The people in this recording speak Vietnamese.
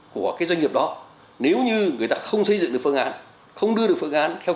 của cái doanh nghiệp đó nếu như người ta không xây dựng được phương án không đưa được phương án theo